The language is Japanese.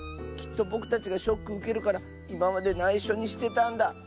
きっとぼくたちがショックうけるからいままでないしょにしてたんだ。